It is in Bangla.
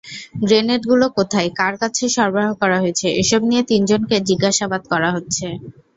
গ্রেনেডগুলো কোথায়, কার কাছে সরবরাহ করা হয়েছে—এসব নিয়ে তিনজনকে জিজ্ঞাসাবাদ করা হচ্ছে।